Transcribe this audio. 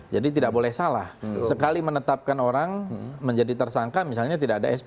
jadi tidak boleh salah sekali menetapkan orang menjadi tersangka misalnya tidak ada sp tiga